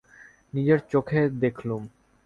নিজের চক্ষে দেখলুম।